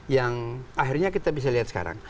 yang akhirnya kita bisa lihat sekarang